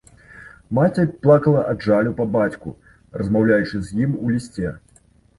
Маці плакала ад жалю па бацьку, размаўляючы з ім у лісце.